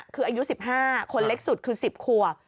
คืออายุ๑๕คนเล็กสุดคือ๑๐ขวบ